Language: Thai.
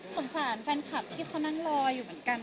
สงสารแฟนคลับที่เขานั่งรออยู่เหมือนกัน